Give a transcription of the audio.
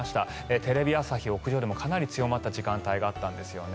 テレビ朝日屋上でもかなり強まった時間帯があったんですね。